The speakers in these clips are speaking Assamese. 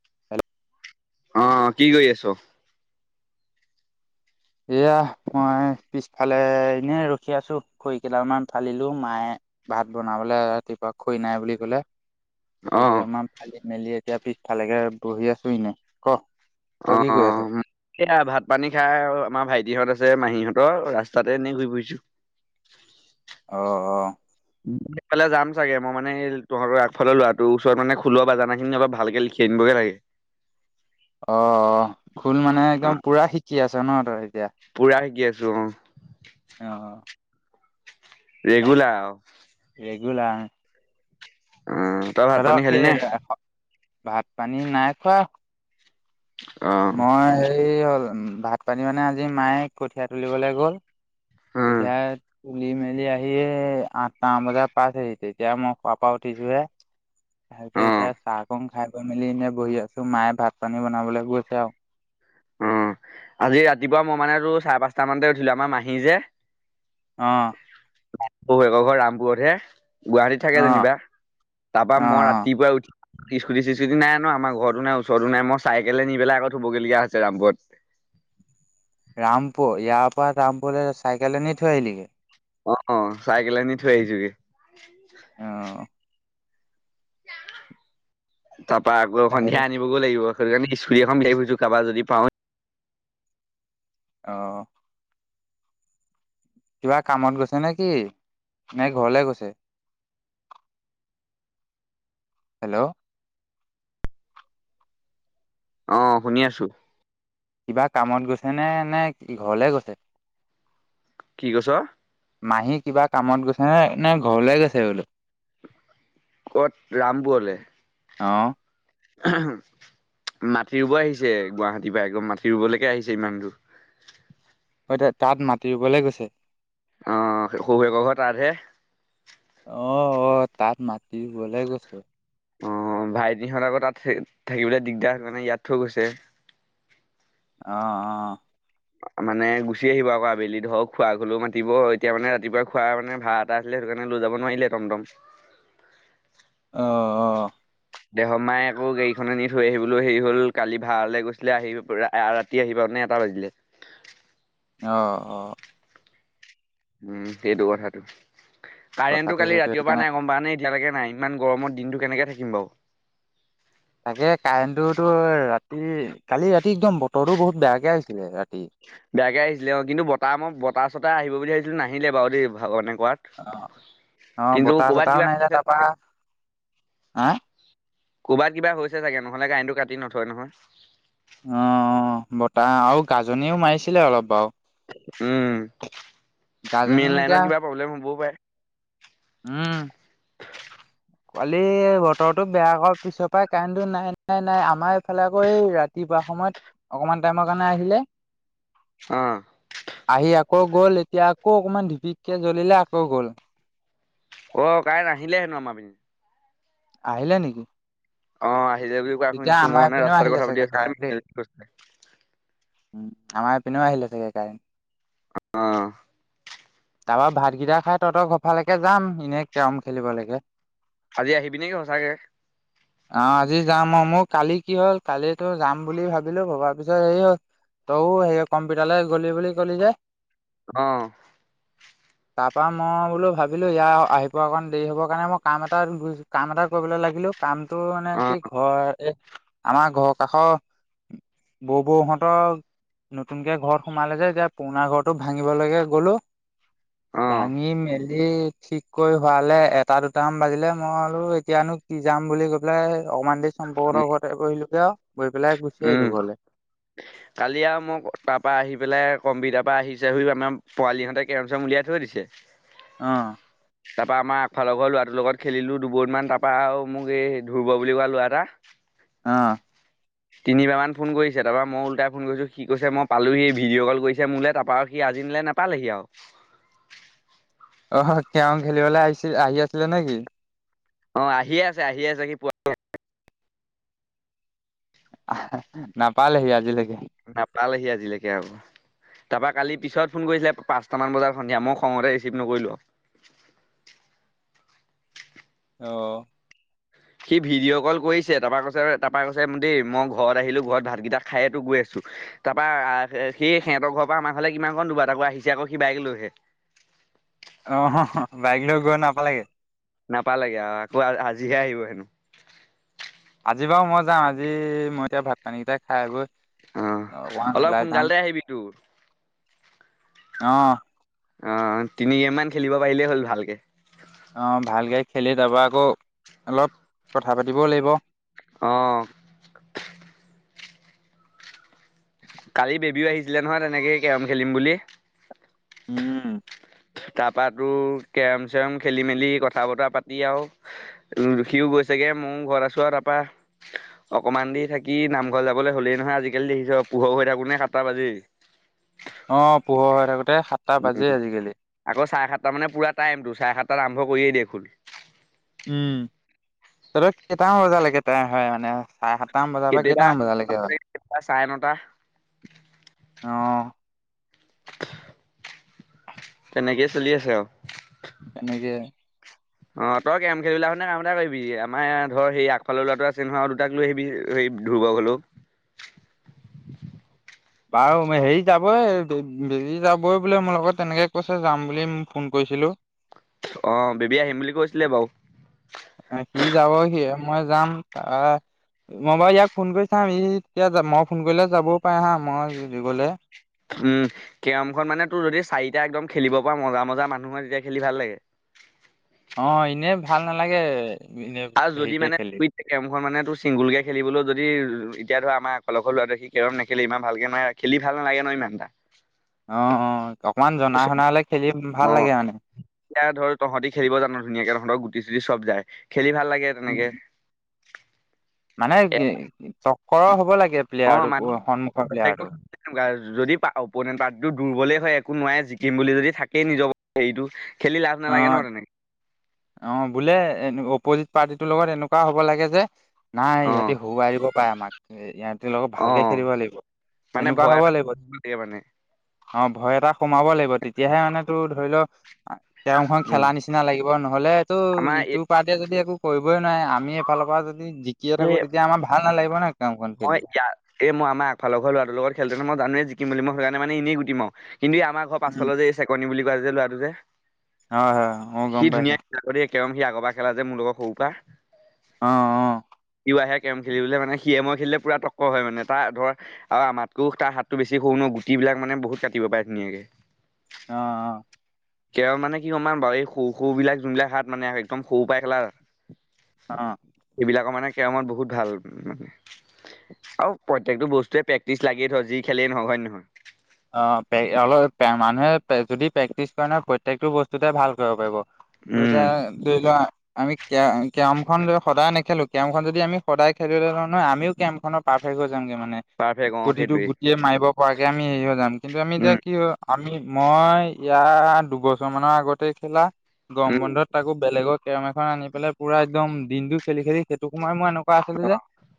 [unintelligible] অ' কি কৰি আছোঁ? এয়া মই পিছফালে এনে ৰখি আছোঁ খৰি কেইডাল মান ফালিলো মায়ে ভাত বনাবলে ৰাতিপুৱা খৰি নাই বুলি ক'লে। খৰি অ', কেইডালমান ফালি মেলি এতিয়া পিছফালেকে বহি আছো এনে, ক'। অ', তই কি কৰি আছ অ' এয়া ভাত পানী খাই আৰু আমাৰ ভাইটিহঁত আছে মাহীহঁতৰ ৰাস্তাতে এনেই ঘূৰি ফুৰিছোঁ। অ', অ'। [unintelligible] ফালে যাম চাগে মই মানে সেই তহঁতৰ আগফালে ল'ৰাটোৰ ওচৰত খলোৱা বাজানা খিনি অলপ ভালকে লিখি আনিব [unintelligible] অ' খোল মানে একদম অ', পুৰা শিকি আছে ন' তই। এতিয়া পুৰা শিকি আছোঁ অ'। অ'। ৰেগুলাৰ আৰু। [unintelligible] অ', তই ভাত পানী খালি নে? [unintelligible] ভাত পানী নাই খোৱা। অ', মই হেৰি হ'ল ভাত-পানী মানে আজি মায়ে কঠিয়া তুলিবলৈ গ'ল। অ', কঠীয়া [unintelligible] [unintelligible] মেলি আহি আঠটামান বজাত পাইছেহি, তেতিয়া মই শুৱাৰ পৰাই উঠিছোহে। তাৰপিছত এতিয়া অ', চাহকন খাই বাই মেলি এনে বহি আছোঁ মায়ে ভাত পানী বনাবলৈ গৈছে আৰু। অ' আজি ৰাতিপুৱা মই মানেটো চাৰে পাঁচটা মানতে উঠিলোঁ আমাৰ মাহী যে অ'। [unintelligible] ৰামপুৰতহে, গুৱাহাটীত থাকে অ যেনিবা, তাৰপা অ অ মই ৰাতিপুৱাই উঠি ইস্কুটি চুছকুটি নাই আমাৰ ঘৰতো নাই ওচৰতো নাই মই চাইকেলেৰে নি পেলাই আকৌ থ'ব লগীয়া হৈছ [unintelligible] ৰামপুৰত। ৰামপুৰ ইয়াৰ পৰা ৰামপুৰলৈ চাইকেলেৰে নি থৈ আহিলিগে। অ', অ', চাইকেলেৰে নি থৈ আহিছোগে। অ'। তাৰ পৰা আকৌ সন্ধিয়া হেৰি আনিব গৈ লাগিব সেই কাৰণে ইস্কুটি এখন বিচাৰি ফুৰিছোঁ কাৰোবাৰ যদি পাওঁ। অ'। কিবা কামত গৈছে নে কি, নে ঘৰলে গৈছে? [inaudible] হেল্ল'। অ' শুনি আছোঁ। কিবা কামত গৈছে নে এনে ঘৰলে গৈছে। কি কৈছ মাহী কিবা কামত গৈছ হে নাই ঘৰলৈ গৈছে বোলো। ক'ত ৰামপুৰলে। মাটি ৰুব আহিছে গুৱাহাটীৰ পৰা একদম মাটি ৰুবলৈকে আহিছে ইমান দূৰ। [unintelligible] তাত মাতি ৰুবলৈ গৈছে। অ' শহুৰৰ ঘৰ তাতহে। অ', অ', তাত মাটি ৰুবলে গৈছে। অ' ভাইটিহঁত আকৌ তাত থা- থাকিবলৈ দিগদাৰ কাৰণে ইয়াত থৈ গৈছে। অ', অ'। মানে গুচি আহিব আকৌ আবেলি ধৰক খুড়াক হলেওঁ মাতিব এতিয়া মানে ৰাতিপুৱা খুড়াই মানে ভাড়া এটা আছিলে। সেইকাৰণে লৈ যাব নোৱাৰিলে টমটম। অ', অ'। দেহৰ মায়ে আকৌ গাড়ীখননে নি থৈ আহিবলৈ হেৰি হ'ল কালি ভাড়ালৈ গৈছিলে আহিব পৰা আ- ৰাতি আহিব নে এটা বাজিলে। অ', অ'। উম, সেইটো কথাটো, কাৰেণ্টটো কথাটো কালি সেইটো সেইটো ৰাতিৰ পৰা কাৰণে নাই গ'ম পাওঁ নে। এতিয়ালৈকে নাই ইমান গৰমৰ দিনটো কেনেকে থাকিম বাৰু। তাকে কাৰেণ্টটোতো ৰাতি, কালি ৰাতি একদম বতৰটো বহুত বেয়াকে আহিছিলে ৰাতি। বেয়াকে আহিছিলে অ' কিন্তু বতাহ মই বতাহ ছতা আহিব বুলি ভাবিছিলোঁ নাহিলে বাৰু দেই ভগবানে [unintelligible] অ', অ', কিন্তু বতাহ ক'বাত চতাহও কিবা [inaudible] নাহিলে তাৰপা হা ক'ৰবাত কিবা হৈছে চাগে নহ'লে কাৰেন্টটো কাটি নথয় নহয়। অ' বতাহ আৰু কাজনীওঁ মাৰিছিলে অলপ বাৰু। উম গাজনি মেইন লাইনত এতিয়া কিবা প্ৰব্লেম হ'বও পাৰে। উম। কালি বতৰটো বেয়া কৰাৰ পিছৰ পৰাই কাৰেণ্টটো নাই নাই নাই আমাৰ এইফালে আকৌ এই ৰাতি পুৱা সময়ত, অকমান টাইমৰ কাৰণে আহিলে। অ'। আহি আকৌ গ'ল এতিয়া আকৌ অকণমান ঢিপিককে জ্বলিলে আকৌ গ'ল। অ' কাৰেন্ট আহিলেই হেনো আমাৰ পিনে। আহিলে নেকি? অ' আহিলে বুলি কোৱা তেতিয়া শুনিছোঁ মই আমাৰ মানে এইপিনেও ৰাস্তাতে আহিলে কথা পাতি চাগে কাৰেণ্ট দেই আছোঁ [unintelligible] উম, আমাৰ পিনেও আহিলে চাগে কাৰেণ্ট। অ তাৰপৰা ভাতকেইটা খাই তঁহতৰ ঘৰ ফালেকে যাম, এনেই কেৰাম খেলিবলৈকে। আজি আহিবি নেকি সচাকে। অ আজি যাম অ' মোৰ কালি কি হ'ল কালি যাম বুলি ভাবিলোঁ ভবাৰ পিছত হেৰি হ'ল। তইও সেই কম্পিউটাৰ গ'লি বুলি কলি যে। অ'। [inaudible] তাৰ পৰা মই বোলো ভাবিলোঁ ইয়াৰ আহি পোৱা অকণ দেৰি হ'বৰ কাৰণে মই কাম এটা কাম এটা কৰিবলৈ লাগিলোঁ কাম এইটো মানে অ কি ঘৰ এ, আমাৰ ঘৰৰ কাষৰ বৌ বৌহঁতৰ নতুনকে ঘৰত সোমালে যেতিয়া পুৰণা ঘৰটো ভাঙিবলৈকে গ'লো। অ ভাঙি মেলি এই ঠিক কৰি হোৱালে এটা দুটামান বাজিলে মই বোলো এতিয়ানো কি যাম বুলি কৈ পেলাই অকমান দেৰি উম চম্পকহঁতৰ ঘৰতে বহিলোগে। বহি পেলাই গুচি আহিলো উম, ঘৰলে কালি আৰু মোক তাৰ পৰা আহি পেলাই কম্পিটাৰ [unintelligible] আহিছে [unintelligible] আমাৰ পোৱালিহঁতে কেৰাম চেৰাম উলিয়াই থৈ দিছে। অ'। তাৰ পৰা আমাৰ আগফালৰ ঘৰৰ ল'ৰাটোৰ লগত খেলিলো দুবৰ্ডমান তাৰপৰা আৰু মোক এই ধ্ৰুব বুলি কোৱা ল'ৰা এটা। অ'। তিনিবাৰ মান ফোন কৰিছে তাৰ পৰা মই ওলটাই ফোন কৰিছোঁ সি কৈছে মই পালো সি ভিডিঅ' কল কৰিছে মোলৈ তাৰপৰা আৰু সি আাজি নিলে নাপালেহি আৰু। অ' কেৰম খেলিবলৈ আহিছিল আহি আছিলে নে কি। অ' আহিয়ে আছে আহি আছে সি [unintelligible] নাপালেহি আজিলৈকে। নাপালেহি আজিলৈকে আৰু। তাৰপৰা কালি পিছত ফোন কৰিছিলে পাঁচটামান বজাত সন্ধিয়া মই খঙতে ৰিচিভ নকৰিলোঁ। [unintelligible] আহ। সি ভিডিঅ' কল কৰিছে তাৰপৰা কৈছে তাৰাপৰা কৈছে, দেই, মই ঘৰত আহিলো ঘৰত ভাতকেইটা খাই য়ে গৈ আছো। তাৰ পৰা আহ, সেই সিহঁতৰ ঘৰৰ পৰা আমাৰ খালে কিমান কন দবা তাককৌ আহিছে আকৌ কিবা বাইক লৈহে। আহ, বাইকলৈ গৈ নাপালেগে। নাপালেগে আকৌ আজিহে আহিব হেনো। আজি বাৰু মই যাম আজি মই এতিয়া ভাত, পানীকেইটাই খাই আগৈ অ' ওৱান, অলপ ওলাই যাম। সোনকালতে আহিবি তোৰ অ'। আহ তিনি গেম মান খেলিব পাৰিলেই হ'ল ভালকে। আহ ভালকে খেলি তাৰপৰা আকৌ অলপ কথা পাতিবও লাগিব। অ'। কালি বেবীও আহিছিলে নহয় তেনেকে কেৰম খেলিম বুলি। উম। তাৰপৰা তো, কেৰম, চেৰম খেলি, মেলি কথা বতৰা পাতি আৰু ৰখিও গৈছে। চাগে মই ঘৰ আছো আৰু তাৰপৰা। অকমান দি থাকি নামঘৰ যাবলৈ হলেই নহয়, আজিকালি দেখিছ পোহৰ হৈ থাকো নে, সাতটা বাজি অ, পোহৰ হৈ থাকতে উ, আকৌ চাৰে সাতটা মানে পুৰা টাইমটো চাৰে সাতটাত আৰম্ভ কৰিয়েই দেয়ে। উম, ত, কেইটামান বজা লৈকে তাইম হয় মানে। চাৰে সাতটামান বজাৰ পৰা কেতিয়াবা কেইটামান বজালৈকে হয়। কেতিয়াবা চাৰে নটা আহ। তেনেকেই চলি আছে আৰু। তেনেকে অ, তই কেৰম খেলিবলৈ আহোঁতে কাম এটা কৰিবি আমাৰ ধৰ সেই আগফালৰ ল'ৰাটো আছেই নহয় আৰু দুটাক লৈ আহিবি সেই ধুৰ্ব ঘৰলৈও [inaudible] বাৰু হেৰি যাবই বে-বেজি যাবই বোলে মোৰ লগত তেনেকে কৈছে যাম বুলি ফোন কৰি ছিলো অ, বেবী আহিম বুলি কৈছিলে বাৰু সি যাব সি মই যাম ত মই বাৰু ইয়াক ফোন কৰি চাম ই এতিয়া মই ফোন কৰিলে যাবও পাৰে হা মই গলে উম, কেৰমখন মানে তোৰ যদি চাৰিটা একদম খেলিব পৰা মজা-মজা মানুহ হয় তেতিয়া খেলি ভাল লাগে। অ, এনে ভাল নালাগে এনে আৰু যদি হেৰিকে মানে খেলি। [unintelligible] কেৰম খন মানে তোৰ চিংগুল কে খেলিবলৈও যদি এতিয়া ধৰা আমাৰ আগফালৰ ঘৰৰ লৰাটোৱে সি কেৰম নেখেলেই ইমান ভালকে নোৱাৰে, খেলি ভাল নালাগে ন ইমান এটা অ', অ', অকমান জনা শুনা হলে খেলি ভাল অ' লাগে মানে এতিয়া ধৰ তহঁতি খেলিব জান' ধুনীয়াকে তহঁতৰ গুটি-চুটি চব যায়, খেলি ভাল লাগে তেনেকে মানে এ তক্কৰৰ হব লাগে অ' মানে প্লেয়াৰটো সন্মুখৰ প্ৰত্যেকটো প্লেয়াৰটো তেনেকুৱা, যদি পা-উপনেন্ত পাৰ্টিটো দুৰ্বলেই হয় একো নোৱাৰে জিকিম বুলি যদি থাকেই নিজৰ হেৰিটো খেলি লাভ নালাগে ন অ', তেনেকে অ', বোলে অপজি পাৰ্টিটোৰ লগত এনেকুৱা হ'ব লাগে যে, নাই ইহঁতি অ' হৰুৱাই দিব পাৰে আমাক ইয়া লগক ভালকে অ' খেলিব লাগিব মানে তেনেকুৱা ভয় হ'ব এটা লাগিব থাকে মানে অ, ভয় এটা সোমাব লাগিব তেতিয়াহে মানে তোৰ ধৰি ল' কেৰম খন উম খেলা নিচিনা লাগিব নহলে, টো, আমাৰ ইটো পাৰ্টিয়ে যদি একো কৰিবই নোৱাৰে, আমি এইফালৰ পৰা যদি জিকিয়ে এই থাকো তেতিয়া আমাৰ ভাল নালাগিব ন কেৰম মই, ইয়া, এই, মই, আমাৰ আগফালৰ লৰাটোৰ লগত খেললেতেনো মই জানোৱেই জিকিম বুলি মই সেইকাৰণে মানে এনেই গুটি মাও কিন্তু এই আমাৰ ঘৰ পাছফালৰ যে এই চেকনি বুলি কোৱা যে ল'ৰাটো যে হয়, হয়, মই সি গম ধুনীয়া পাইছো। খেলে আকৌ দেই কেৰম সি আগৰপৰা খেলা যে মোৰ লগত সৰুৰ পৰা অ', অ'। সিও আহে কেৰম খেলিবলৈ মানে সিয়ে মই খেলিলে পুৰা তক্কৰ হয় মানে, তাৰ ধৰ আৰু আমাতকেও তাৰ হাতটো বেছি সৰু ন' গুটিবিলাক মানে বহুত কাটিব পাৰে ধুনীয়াকে অ', অ', কেৰম মানে কি গম পাৱ নাপাৱ, এই সৰু সৰু বিলাক যোনবিলাক হাত মানে একদম সৰু পাই খেলা অ সেইবিলাকৰ মানে কেৰমত বহুত ভাল মানে আৰু প্ৰত্যেকটো বস্তুৱয়েই প্ৰেক্টিচ লাগীয়ে ধৰ যি খেলেই নহওক হয় নে নহয়? অ', প্ৰে অলপ প্ৰে মানুহে প্ৰে যদি প্ৰেক্টিচ কৰে নহ প্ৰত্যেকটো বস্তুতে ভাল কৰিব পাৰিব তোৰ উম এতিয়া ধৰি লোৱা আমি কেৰ-কেৰম খন সদায় নেখেলো কেৰম যদি আমি সদায় খেলিলো হয় ন' আমিও কেৰম খনৰ পাৰফেক হৈ যামগে মানে, পাৰফেক্ট অ প্ৰতিটো সেইটোৱেই গুটিয়ে মাৰিব পৰাকে আমি হেৰি হৈ যাম কিন্তু আমি এতিয়া উম কি হয় আমি মই ইয়াত দুবছৰ মানৰ আগতে খেলা গৰম উম বন্ধত তাকো বেলেগত কেৰম এখন আনি পেলাই পুৰা একদম দিনটো খেলি-খেলি সেইটো সময়ত মই এনে কুৱা আছিলো অ যে,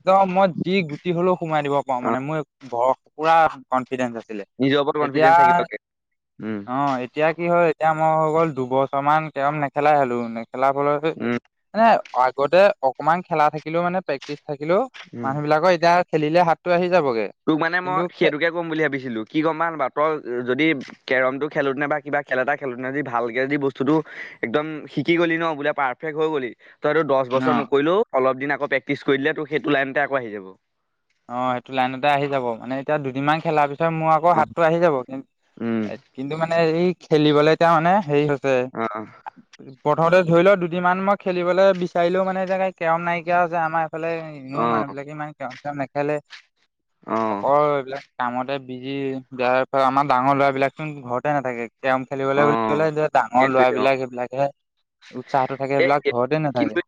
ত' মই যি গুটি হলেও সুমাই দিব পাৰো অ মানে মই বৰ পুৰা কনফিডেঞ্চ আছিলে নিজৰ ওপৰত এতিয়া কনফিডেন্ঞ্চ থাকিব লাগে। উম, অ', এতিয়া কি হয় এতিয়া মই হৈ গ'ল দুবছৰ মান কেৰম নেখেলাই হলো মানে খেলাবলৈ উম। মানে আগতে অকমান খেলা থাকিলেও মানে প্ৰেক্টিচ থাকিলেও উম। মানুহ বিলাকৰ এতিয়া খেলিলে হাতটো আহি যায় তোক মানে মই সেইটোকে কম বুলি ভাবিছিলোঁ। কি গম পাৱ নে নাপাৱ, তই যদি কেৰমটো খেলোঁতেনে বা কিবা খেল এটা খেলোতেনে যি ভালকে যদি বস্তুটো একদম শিকি গলি ন' বোলে পাৰফেক্ট হৈ গলি তই এটো দশ বছৰ অ'। নকৰিলেও অলপ দিন আকৌ প্ৰেক্টিচ কৰি দিলে তোৰ সেইটো লাইনতে আকৌ আহি যাব। অ', সেইটো লাইনতে আহি যাব মানে এতিয়া দুদিনমান খেলাৰ পিছত মোৰ আকৌ অ, হাতটো আহি যাব কিন্ত উম, কিন্তু মানে এই খেলিবলে এতিয়া মানে হেৰি হৈছে অ, প্ৰথমতে ধৰি ল' দুদিনমান মই খেলিবলৈ বিচাৰিলেও মানে এনেকে কেৰম নাইকিয়া হৈছে আমাৰ এইফালে ইনেও অ, মানুহবিলাকে ইমান কেৰম চেৰম নেখেলে, অ, অকল এইবিলাক কামতে বিজি দাৰ আমাৰ ডাঙৰ ল'ৰাবলাকচোন ঘৰতে নাথাকে। কেৰম অ, খেলিবলৈ বুলি ক'লে, এ ডাঙৰ সেইটোৱে অ, লৰাবিলাক সেইবিলাক হে। উৎসাহটো থাকে, সেই সেবিলাক ঘৰতে নাথাকে। কিন্তু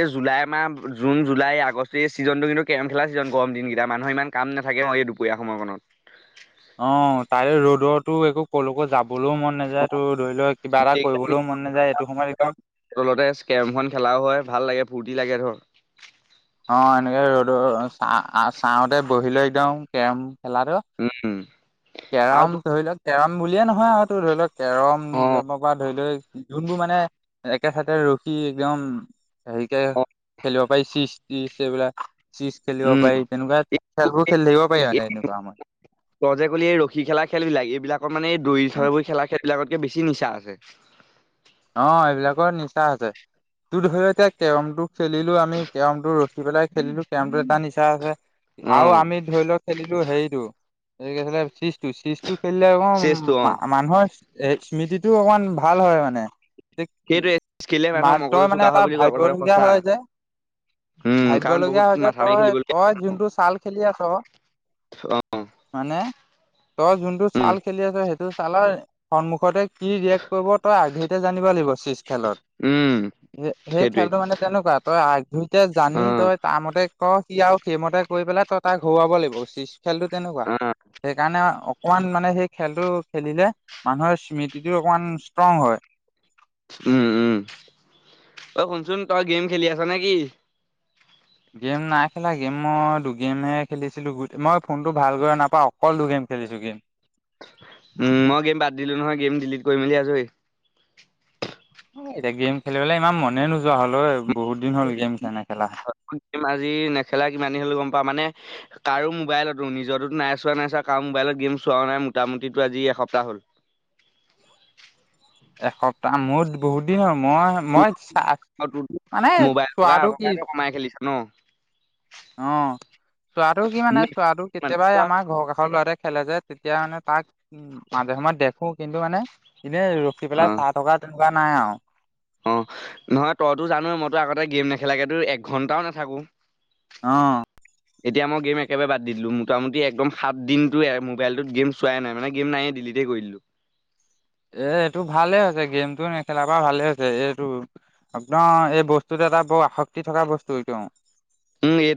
এই জুলাই মাহ জুন, জুলাই, আগষ্ট, এই চিজন টো কিন্তু কেৰম খেলা ছিজন গৰম দিনকেইটা মানুহে ইমান কাম নাথাকে অ, এই দুপৰীয়া সময় কনত। অ', তাৰে ৰ'দৰটো একো কলৈকো যাব বলেও মন নাযায় ত' ধৰি ল' কিবা এটা গোটেই কৰিবলৈও মন নাযায় এইটো সময়ত একদম তলতে স্কেমখন খেলাও হয় ভাল লাগে ফূৰ্তি লাগে ধৰ। অ', এনেকে ৰ'দ চাওঁতে বহি লৈ একদম কেৰম খেলাটো উম, আৰু কেৰম তো ধৰি লওক কেৰম বুলিয়ে নহয় আৰু তোৰ ধৰি ল' কেৰম অ পৰা ধৰি লই যোনবোৰ মানে একে চাতে ৰখি একদম হেৰিকে অ খেলিব পাৰি চিচ তিচ এইবিলাক। চিজ খেলিব উম পাৰি তেনেকুৱা এই খেলবোৰ খেলি থাকিব পাৰি মানে এনেকুৱা সময়ত। কি খেলা খেল বিলাক এইবিলাকৰ মানে এই দৰি চৰব খেলা খেল বিলাকতকে বেছি নিচা আছে। অ', এইবিলাকৰ নিচা আছে, তোৰ ধৰি ল' এতিয়া কেৰমটো খেলিলো আমি কেৰমটো উঠি পেলাই খেলিলেও কেৰমটো এটা নিচা আছে অ আৰু আমি ধৰি লও খেলিলো হেৰিতটো চিজটো, চিজটো খেলিলে চেচটো অ অকৌ মানুহৰ এই স্মৃতিটো অকণমান ভাল হয় মানে শ সেইটোৱে চেচ খেলিলে মানুহৰ মান তই মগজু মানে চোকা হয় এটা বুলি কয় কথাটো ভাবিবলগীয়া সঁচা হয় যে উম কাৰণ বহুত ভাবিবলগীয়া হয় যে মাথা মাৰি তই খেলিবলগীয়া তই হয়। যোনটো ছাল খেলি আছ অ মানে তই যোনটো উম ছাল খেলি আছ সেইটো ছালৰ সন্মুখতে কি ৰিয়েক্ট কৰিব তই আগ জানিব লাগিব চিচ খেলত। উম সেই সেইটোৱে খেলটো মানে তেনেকুৱা তই আগ ধুৰিতে অ জানি তই তাৰ মতে ক কি আৰু সেইমতে কৰি পেলাই ততাক ঘৰুৱাব লাগিব চুইচ খেলতটো তেনেকুৱা অ সেইকাৰণে অকমান মানে সেই খেলটো, খেলিলে মানুহৰ স্মৃতিটো অকমান ষ্ট্ৰং হয়। উম, উম, অ, শুনচোন তই গেম খেলি আছ নেকি। গেম নাই খেলা গেম মই দুগেমে খেলিছিলোঁগোটেই মই ফোনটো ভাল কৰি নাপাওঁ অকল দুগেম খেলিছোঁ গেম। [inaudible] উম, মই গেম বাদ দিলো নহয় গেম ডিলিট কৰি মেলি আছো হেই এতিয়া গেম খেলিবলে ইমান মনে নোযোৱা হ'ল। বহুত দিন হ'ল গেম নেখেলা ম, আজি নেখেলা কিমান দিন হ'লে গম পা মানে কাৰো মোবাইলতো নিজতো নাই চোৱা, নাই চোৱা, কাৰো মোবাইলত গেম চোৱাও নাই মোটামুটি আজি এসপ্তাহ হ'ল। এসপ্তাহ মোৰ বহুত দিন আৰু। মই, তোৰ মই, চা আৰু তোৰতো মানে মোবাইল থকা চোৱাটো আগৰ কি পৰাইতো কমাই খেলিছ ন? অ, চোৱাটো কি মানে মোৰ চোৱাটো মানে কেতিয়াবাই চোৱা, আমাৰ ঘৰৰ কাষৰ লৰাট খেলে যে, তেতিয়া মানে তাক উ, মাজে সময়ে দেখো কিন্তু মানে এনে উখি পেলাই অ', চাহ থকা তেনেকুৱা নাই আৰু। অ, নহয়, তইতো জানে মইতো আগতে গেম নেখেলাকো এক ঘণ্টাও নাথাকো। আহ। এতিয়া মই গেম একেবাৰে বাদ দি দিলো। মোটামুটি একদম সাত দিনতো মোবাইলত গেম চোৱাই নাই মানে গেম নায়ে দিলি। কৰিলো। এ, এইটো ভালে হৈছে, গেমটো নেখেলাৰ পৰা ভালে হৈছে এইটো একদম এই বস্তুটো এটা বৰ আসক্তি থকা বস্তু এইটো। উম, এ